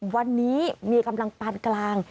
วันนี้มีกำลังปานกลาง